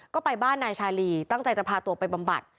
ก็ไปบ้านนายชาลีตั้งใจจะพาตัวไปบำบัด